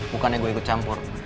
bukannya gue ikut campur